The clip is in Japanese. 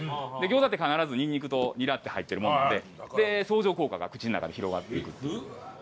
餃子って必ずニンニクとニラって入ってるもんなんで相乗効果が口の中で広がっていくっていう。